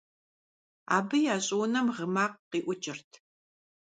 Абы я щӀыунэм гъы макъ къиӏукӏырт.